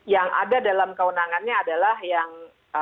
yang ada dalam kewenangannya adalah yang